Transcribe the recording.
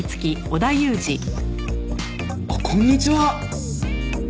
あっこんにちは！